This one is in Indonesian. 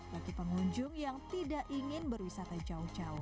bagi pengunjung yang tidak ingin berwisata jauh jauh